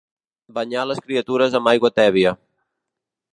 Banyar les criatures amb aigua tèbia.